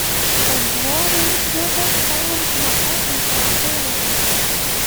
В Котд'Ивуаре мы твердо отстаивали демократию и права человека.